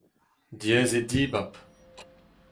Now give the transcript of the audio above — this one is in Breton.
Diaes eo dibab !